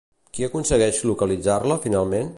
Qui aconsegueix localitzar-la finalment?